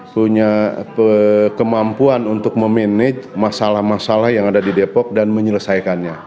punya kemampuan untuk memanage masalah masalah yang ada di depok dan menyelesaikannya